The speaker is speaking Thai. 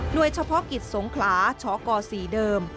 โดยเฉพาะกิจสงขลาชก๔เดิม